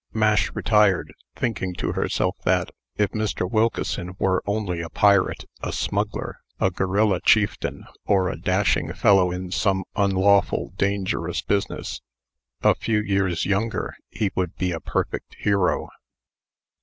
Mash retired, thinking to herself that, if Mr. Wilkeson were only a pirate, a smuggler, a guerilla chieftain, or a dashing fellow in some unlawful, dangerous business, a few years younger, he would be a perfect hero.